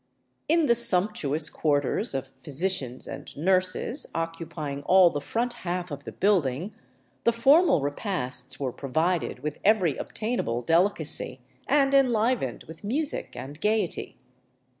In the sumptuous quarters of physicians and nurses, occupying all the front half of the building, the formal repasts were provided with every obtainable delicacy, and enlivened with music and gaiety.